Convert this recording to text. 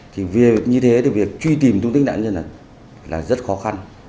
thì như thế thì việc truy tìm thông tin nạn nhân là rất khó khăn